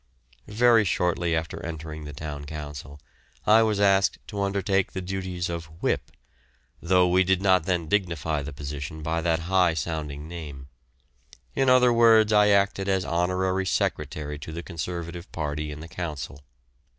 Very shortly after entering the Town Council I was asked to undertake the duties of "Whip," though we did not then dignify the position by that high sounding name; in other words I acted as honorary secretary to the Conservative party in the Council.